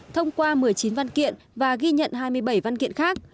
thông qua một mươi chín văn kiện và ghi nhận hai mươi bảy văn kiện khác